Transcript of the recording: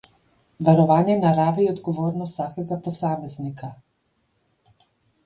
Varovanje narave je odgovornost vsakega posameznika.